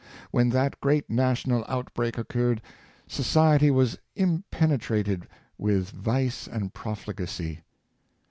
When that great na tional outbreak occurred, society was impenetrated with vice and profligacy.